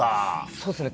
そうですね